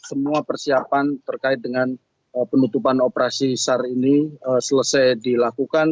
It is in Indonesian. semua persiapan terkait dengan penutupan operasi sar ini selesai dilakukan